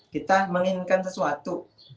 kita menginginkan sesuatu